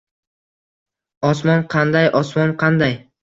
-Osmon qanday, osmon qanday…